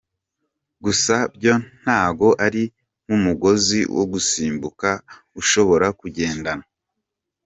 Gusa byo ntago ari nk’umugozi wo gusimbuk aushobora kugendana.